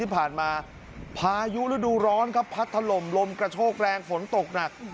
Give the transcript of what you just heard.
ที่ผ่านมาพายุฤดูร้อนครับพัดถลมลมกระโชกแรงฝนตกหนัก